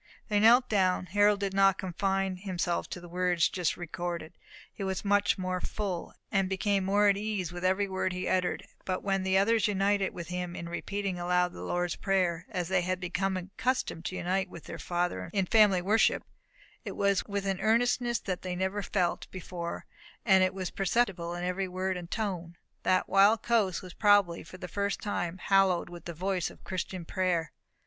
They knelt down. Harold did not confine himself to the words just recorded; he was much more full, and became more at ease with every word he uttered; and when the others united with him in repeating aloud the Lord's Prayer, as they had been accustomed to unite with their father in family worship, it was with an earnestness that they never felt before, and that was perceptible in every word and tone. That wild coast was probably for the first time hallowed with the voice of Christian prayer.